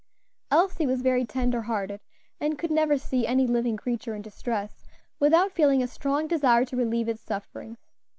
Elsie was very tender hearted, and could never see any living creature in distress without feeling a strong desire to relieve its sufferings.